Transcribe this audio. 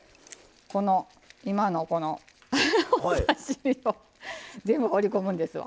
この今のこのお刺身を全部放り込むんですわ。